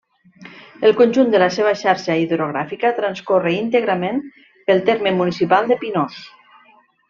El conjunt de la seva xarxa hidrogràfica transcorre íntegrament pel terme municipal de Pinós.